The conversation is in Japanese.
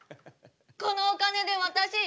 このお金で私